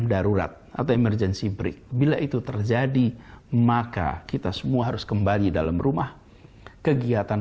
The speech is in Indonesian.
darurat atau emergency break bila itu terjadi maka kita semua harus kembali dalam rumah kegiatan